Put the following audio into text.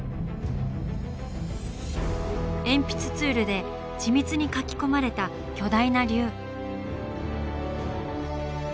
鉛筆ツールで緻密に描き込まれた巨大な龍。